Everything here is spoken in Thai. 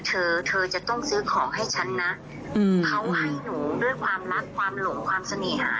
เขาให้หนูด้วยความรักความหลงความเสน่หา